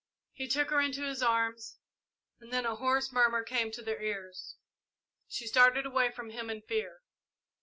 He took her into his arms, and then a hoarse murmur came to their ears. She started away from him in fear.